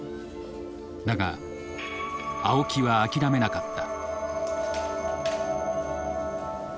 だが青木は諦めなかった。